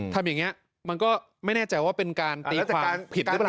ทำอย่างนี้มันก็ไม่แน่ใจว่าเป็นการตีราชการผิดหรือเปล่า